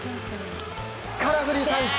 空振り三振！